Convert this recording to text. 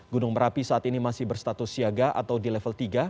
gunung merapi saat ini masih berstatus siaga atau di level tiga